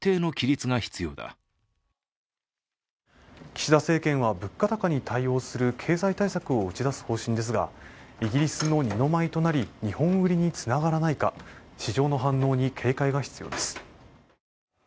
岸田政権は物価高に対応する経済対策を打ち出す方針ですがイギリスの二の舞となり日本売りにつながらないか、市場の反応に警戒が必要です。